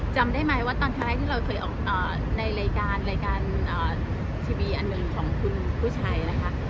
จำได้ไหมว่าตอนครั้งแรกที่เราเคยออกในรายการรายการทีวีอันหนึ่งของคุณผู้ชายนะคะ